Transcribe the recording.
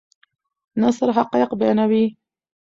نثر حقایق بیانوي.